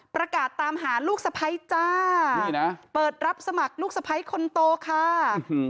ประกาศตามหาลูกสะพ้ายจ้านี่นะเปิดรับสมัครลูกสะพ้ายคนโตค่ะ